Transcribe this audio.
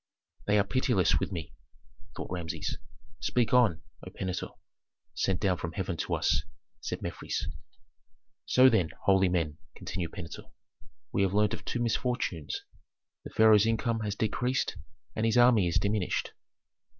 "They are pitiless with me," thought Rameses. "Speak on, O Pentuer, sent down from heaven to us," said Mefres. "So then, holy men," continued Pentuer, "we have learned of two misfortunes, the pharaoh's income has decreased, and his army is diminished."